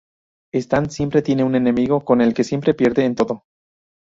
Stan siempre tiene un enemigo con el que siempre pierde en todo.